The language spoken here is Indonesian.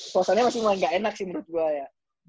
curiosan masih masih gak enak sih menurut gue ya